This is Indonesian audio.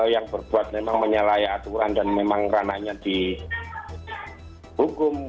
yang berbuat memang menyalahi aturan dan memang ranahnya dihukum